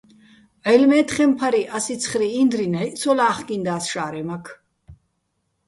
ჺაჲლ-მა́ჲთხემფარი, ას იცხრიჼ ინდრი ნჵაჲჸ ცო ლა́ხკინდას შა́რემაქ.